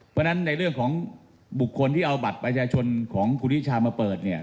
เพราะฉะนั้นในเรื่องของบุคคลที่เอาบัตรประชาชนของคุณนิชามาเปิดเนี่ย